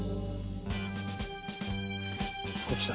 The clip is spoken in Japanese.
こっちだ。